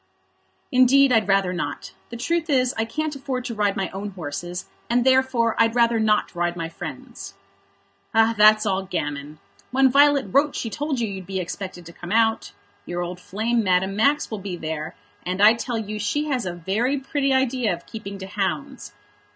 "Indeed, I'd rather not. The truth is, I can't afford to ride my own horses, and therefore I'd rather not ride my friends'." "That's all gammon. When Violet wrote she told you you'd be expected to come out. Your old flame, Madame Max, will be there, and I tell you she has a very pretty idea of keeping to hounds.